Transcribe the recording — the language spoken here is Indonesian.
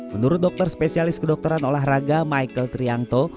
menurut dokter spesialis kedokteran olahraga michael trianto